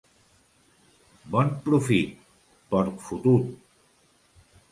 Bon profit, porc fotut!